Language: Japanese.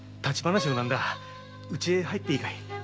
家へ入っていいかい？